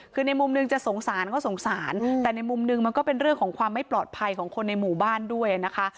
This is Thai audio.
คือในมุมหนึ่งจะสงสารก็สงสารแต่ในมุมหนึ่งมันก็เป็นเรื่องของความไม่ปลอดภัยของคนในหมู่บ้านด้วยนะคะ